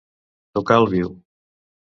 Tocar al viu.